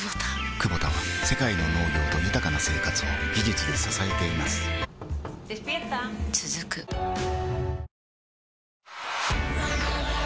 クボタは世界の農業と豊かな生活を技術で支えています起きて。